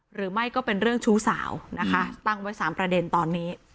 หรือไม่ก็เป็นเรื่องชู้สาวนะคะตั้งไว้๓ประเด็นตอนนี้